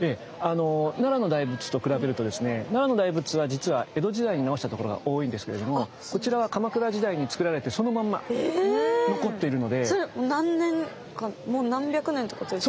奈良の大仏と比べるとですね奈良の大仏は実は江戸時代に直したところが多いんですけれどもこちらはそれもう何百年ってことですか？